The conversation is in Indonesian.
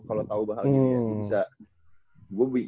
kalau tahu bahwa bisa